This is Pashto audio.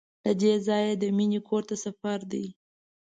له دې ځایه د مینې کور ته سفر دی.